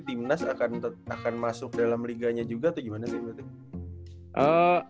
timnas akan masuk dalam liganya juga atau gimana sih